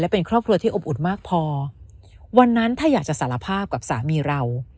เป็นครอบครัวที่อบอุ่นมากพอวันนั้นถ้าอยากจะสารภาพกับสามีเรา